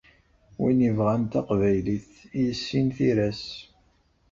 Win ibɣan taqbaylit, yissin tira-s.